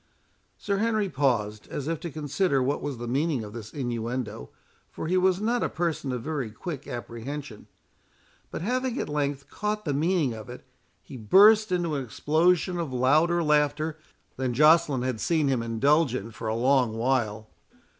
Sir Henry paused, as if to consider what was the meaning of this innuendo; for he was not a person of very quick apprehension. But having at length caught the meaning of it, he burst into an explosion of louder laughter than Joceline had seen him indulge in for a long while.